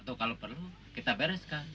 atau kalau perlu kita bereskan